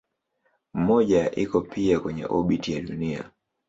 Mmoja iko pia kwenye obiti ya Dunia.